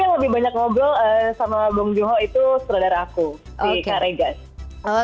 yang lebih banyak ngobrol sama bong joon ho itu saudara aku si kak regan